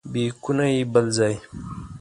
بیکونه یې بل ځای.